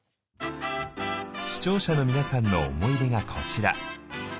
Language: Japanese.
視聴者の皆さんの思い出がこちら。